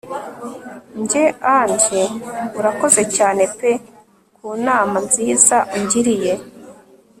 Njye Angel urakoze cyane pe ku nama nziza ungiriye